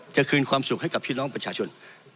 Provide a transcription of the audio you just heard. คืนความสุขให้กับพี่น้องประชาชน